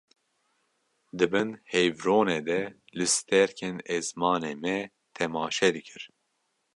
Di bin heyvronê de li stêrkên ezmanê me temaşe dikir